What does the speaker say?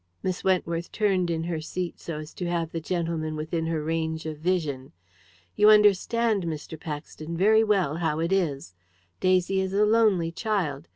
Miss Wentworth turned in her seat, so as to have the gentleman within her range of vision. "You understand, Mr. Paxton, very well how it is. Daisy is a lonely child.